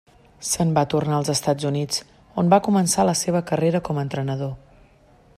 Se'n va tornar als Estats Units, on va començar la seva carrera com a entrenador.